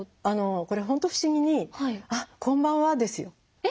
これ本当不思議に「あっこんばんは」ですよ。え？